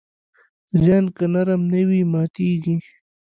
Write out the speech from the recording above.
ذهن که نرم نه وي، ماتېږي.